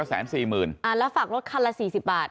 แล้วฝากรถคันละ๔๐บาท